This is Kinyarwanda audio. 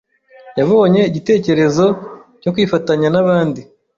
Yabonye igitekerezo cyo kwifatanya nabandi